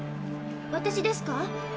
私ですか？